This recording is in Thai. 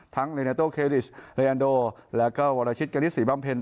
ทั้งเรนาโตเครดิสเรียนโดแล้วก็วรชิตการิสศรีบ้างเพลิน